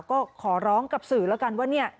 ก็ขอร้องกับสื่อแล้วกันว่าเนี่ย